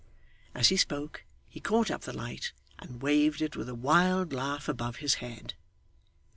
As he spoke, he caught up the light, and waved it with a wild laugh above his head.